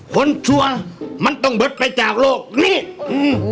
ควรมันเฝ้าจากโลกนี้